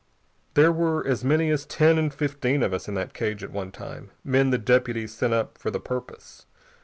There were as many as ten and fifteen of us in that cage at one time men the deputies sent up for the purpose.